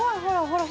ほら！